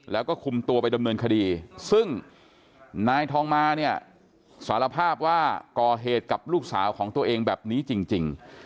แล้วก็คุมตัวไปดำเนินคดีซึ่งนายทองมาเนี่ยสารภาพว่าก่อเหตุกับลูกสาวของตัวเองแบบนี้จริง